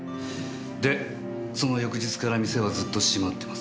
でその翌日から店はずっと閉まってます。